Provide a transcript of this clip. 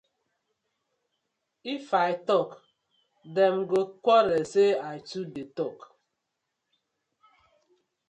If I tok dem go quarll say I too dey tok.